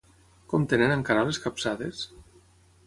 Com tenen encara les capçades?